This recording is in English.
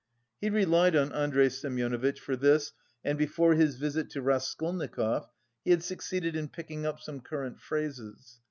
He relied on Andrey Semyonovitch for this and before his visit to Raskolnikov he had succeeded in picking up some current phrases.